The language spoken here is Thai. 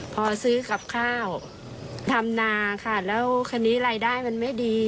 พอซื้อกับข้าวทำนาค่ะแล้วคราวนี้รายได้มันไม่ดี